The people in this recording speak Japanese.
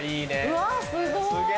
うわすごい！